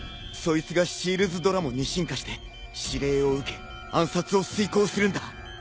そいつがシールズドラモンに進化して指令を受け暗殺を遂行するんだ。